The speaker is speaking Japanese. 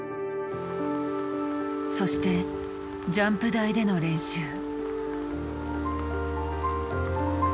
そしてジャンプ台での練習。